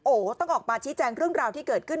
โอ้โหต้องออกมาชี้แจงเรื่องราวที่เกิดขึ้น